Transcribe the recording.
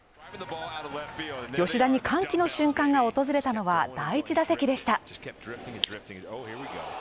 吉田に歓喜の瞬間が訪れたのは第１打席でした。